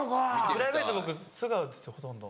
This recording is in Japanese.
プライベート僕素顔ですよほとんど。